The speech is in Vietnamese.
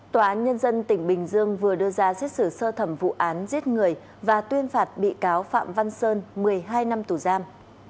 tòa án nhân dân tỉnh bình dương vừa đưa ra xét xử sơ thẩm vụ án giết người và tuyên phạt bị cáo phạm văn sơn một mươi hai năm tù giam